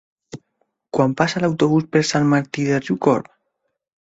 Quan passa l'autobús per Sant Martí de Riucorb?